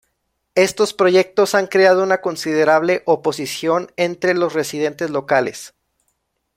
Estos proyectos han creado una considerable oposición entre los residentes locales.